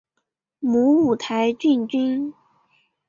母五台郡君。